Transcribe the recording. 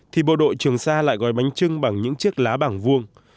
thì bộ đội trường sa lại gói bánh trưng bằng những chiếc lá bằng vuông